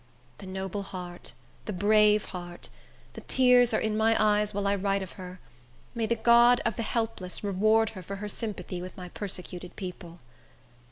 The noble heart! The brave heart! The tears are in my eyes while I write of her. May the God of the helpless reward her for her sympathy with my persecuted people!